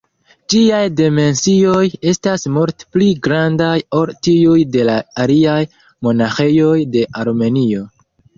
Ĝiaj dimensioj estas multe pli grandaj ol tiuj de la aliaj monaĥejoj de Armenio.